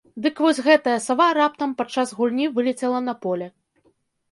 Дык вось гэтая сава раптам падчас гульні вылецела на поле.